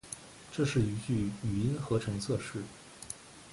这是一句语音合成测试